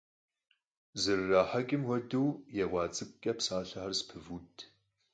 ЗэрырахьэкӀым хуэдэу екъуа цӀыкӀукӏэ псалъэхэр зэпывуд.